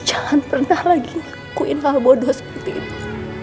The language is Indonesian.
jangan pernah lagi ngelakuin hal bodoh seperti itu